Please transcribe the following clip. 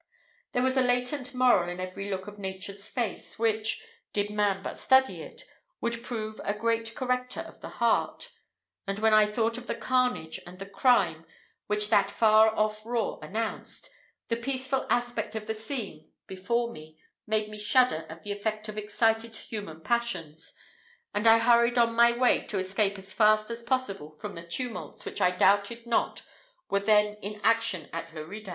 There is a latent moral in every look of nature's face, which did man but study it would prove a great corrector of the heart; and when I thought of the carnage and the crime which that far off roar announced, the peaceful aspect of the scene before me made me shudder at the effect of excited human passions, and I hurried on upon my way to escape as fast as possible from the tumults which I doubted not were then in action at Lerida.